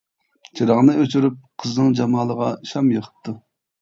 چىراغنى ئۆچۈرۈپ قىزنىڭ جامالىغا شام يېقىپتۇ.